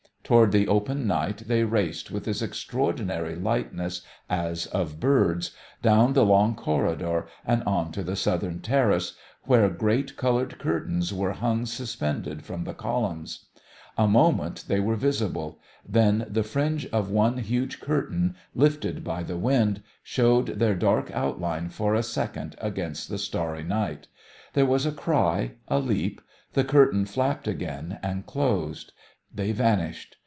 Toward the open night they raced with this extraordinary lightness as of birds, down the long corridor and on to the southern terrace, where great coloured curtains were hung suspended from the columns. A moment they were visible. Then the fringe of one huge curtain, lifted by the wind, showed their dark outline for a second against the starry sky. There was a cry, a leap. The curtain flapped again and closed. They vanished.